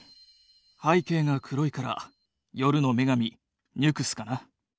「背景が黒いから夜の女神ニュクスかな」。